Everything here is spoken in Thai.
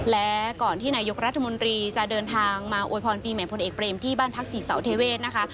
และก่อนที่นายกรัฐมนตรีจะเดินทางมาอวยพรปีใหม่พลเอกเบรมที่บ้านพักศรีเสาเทเวศนะคะ